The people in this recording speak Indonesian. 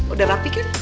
udah rapi kan